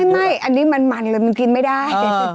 ไม่อันนี้มันเลยมันกินไม่ได้